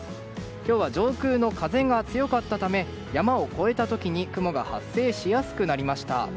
今日は上空の風が強かったため山を越えた時雲が発生しやすくなりました。